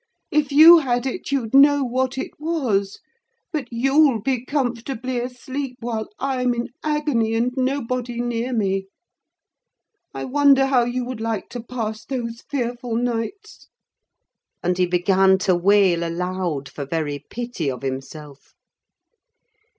If you had it you'd know what it was; but you'll be comfortably asleep while I'm in agony, and nobody near me. I wonder how you would like to pass those fearful nights!" And he began to wail aloud, for very pity of himself.